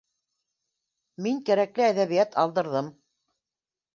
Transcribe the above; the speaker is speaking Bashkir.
— Мин кәрәкле әҙәбиәт алдырҙым